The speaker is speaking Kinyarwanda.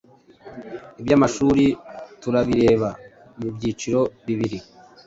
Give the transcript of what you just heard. Iby'amashuri turabireba mu byiciro bibiri